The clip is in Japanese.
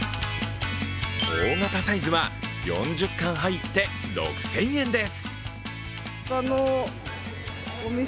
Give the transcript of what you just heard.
大型サイズは４０貫入って６０００円です。